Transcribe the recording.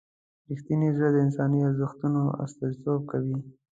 رښتونی زړه د انساني ارزښتونو استازیتوب کوي.